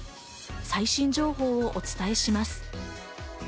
最新情報をお伝えします。